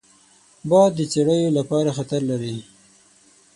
باد د څړیو لپاره خطر لري